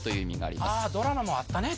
あドラマもあったね